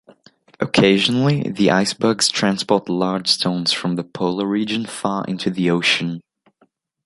Occasionally, the icebergs transport large stones from the polar region far into the ocean.